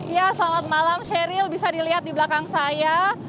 ya selamat malam sheryl bisa dilihat di belakang saya